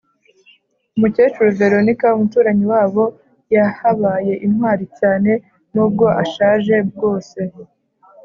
Umukecuru Veronika; umuturanyi wabo Yahabaye intwari cyane n’ubwo ashaje bwose.